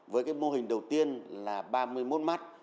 với cái mô hình đầu tiên là ba mươi một mắt